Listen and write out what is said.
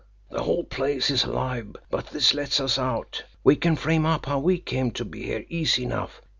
The whole place is alive, but this lets us out. We can frame up how we came to be here easy enough.